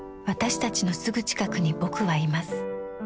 私たちのすぐ近くに「ぼく」はいます。